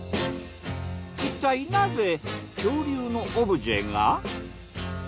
いったいなぜ恐竜のオブジェが？